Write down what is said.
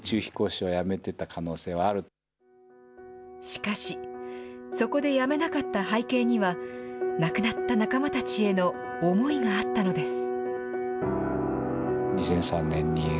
しかし、そこでやめなかった背景には、亡くなった仲間たちへの思いがあったのです。